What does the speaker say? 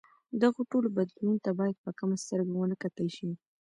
دغو ټولو بدلونونو ته باید په کمه سترګه ونه کتل شي.